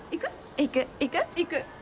行く行く行く？